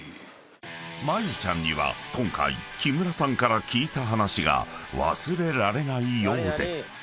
［真由ちゃんには今回木村さんから聞いた話が忘れられないようで］